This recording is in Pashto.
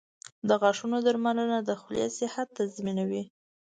• د غاښونو درملنه د خولې صحت تضمینوي.